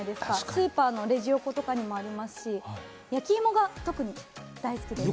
スーパーのレジ横とかにもありますし、焼き芋が特に大好きです。